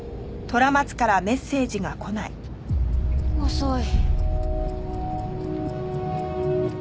遅い。